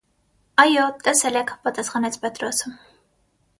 - Այո, տեսել եք,- պատասխանեց Պետրոսը: